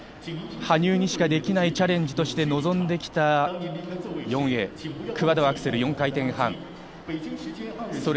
羽生にしかできないチャレンジとして臨んできた４Ａ、クアッドアクセル、４回転半。